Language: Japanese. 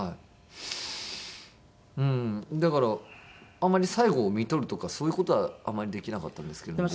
だからあんまり最期を看取るとかそういう事はあんまりできなかったんですけれども。